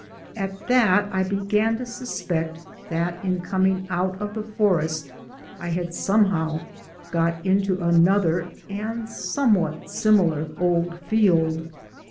At that I began to suspect that in coming out of the forest I had somehow got into another and somewhat similar old field.